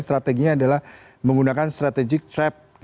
strateginya adalah menggunakan strategic trap